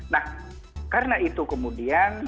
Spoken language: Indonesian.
nah karena itu kemudian